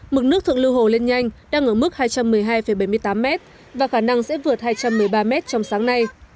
mực nước thượng lưu hồ lên nhanh đang ở mức hai trăm một mươi hai bảy mươi tám m và khả năng sẽ vượt hai trăm một mươi ba m trong sáng nay